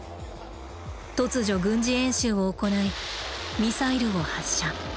突如軍事演習を行いミサイルを発射。